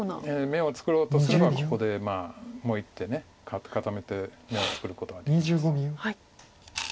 眼を作ろうとすればここでもう１手固めて眼を作ることができます。